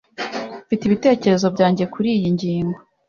Mfite ibitekerezo byanjye kuriyi ngingo.